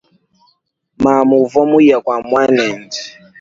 Mamu uva muya kua muanende.